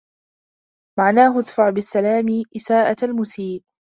مَعْنَاهُ ادْفَعْ بِالسَّلَامِ إسَاءَةَ الْمُسِيءِ